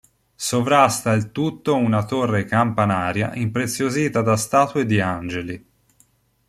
Sovrasta il tutto una torre campanaria impreziosita da statue di angeli.